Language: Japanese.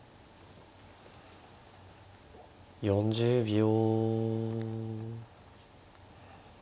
４０秒。